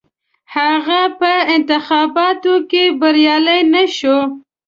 هغه په انتخاباتو کې بریالی نه شو.